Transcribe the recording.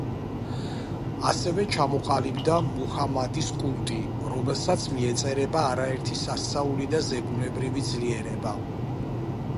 ასევე ჩამოყალიბდა მუჰამადის კულტი, რომელსა მიეწერება არაერთი სასწაული და ზებუნებრივი ძლიერება.